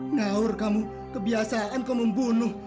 naur kamu kebiasaan kau membunuh